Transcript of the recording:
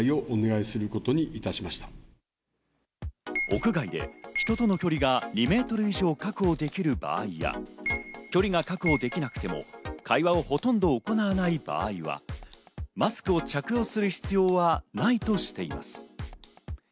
屋外で人の距離が２メートル以上確保できる場合や、距離が確保できなくても、会話をほとんど行わない場合はマスクを着用する必要はないとしています。